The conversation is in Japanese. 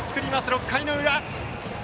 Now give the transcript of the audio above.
６回の裏。